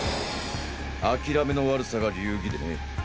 諦めの悪さが流儀でね。